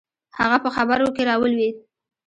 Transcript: هغه په خبرو کښې راولويد.